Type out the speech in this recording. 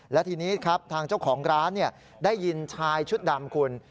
และทีนี้ครับทางเจ้าของร้านได้ยินชายชุดดำคุณ